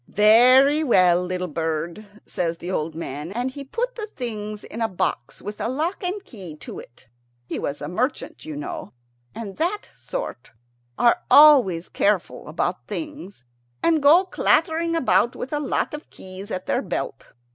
"Very well, little bird," says the old man, and he put the things in a box with a lock and key to it. He was a merchant, you know, and that sort are always careful about things, and go clattering about with a lot of keys at their belt.